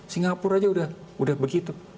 singapura aja udah begitu